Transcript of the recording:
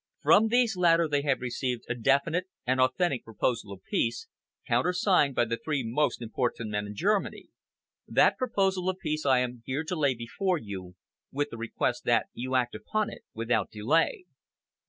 From these latter they have received a definite and authentic proposal of peace, countersigned by the three most important men in Germany. That proposal of peace I am here to lay before you, with the request that you act upon it without delay."